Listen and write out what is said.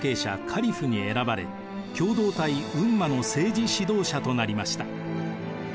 カリフに選ばれ共同体ウンマの政治指導者となりました。